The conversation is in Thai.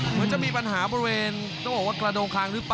เพื่อจะมีปัญหาบบริเวณกระโดคางหรือ